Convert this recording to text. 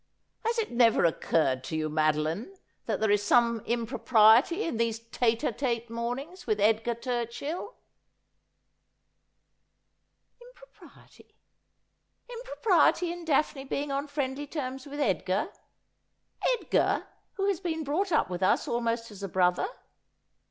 'Has it never occurred to you, Madoline, that there is some impropriety in these tete a tete mornings with Edgar Turchill ?'' Impropriety ! Impropriety in Daphne being on friendly terms with Edgar — Edgar, who has been brought up with us almost as a brother